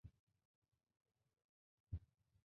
খুনিকে ধরবেন না?